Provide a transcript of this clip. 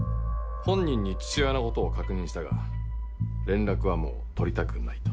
本人に父親のことを確認したが連絡はもう取りたくないと。